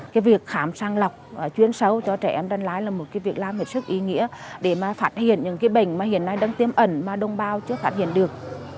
cái việc khám sang lọc chuyên sâu cho trẻ em đan lai là một cái việc làm một sức ý nghĩa để mà phát hiện những cái bệnh mà hiện nay đang tiêm ẩn mà đông bao chưa phát hiện được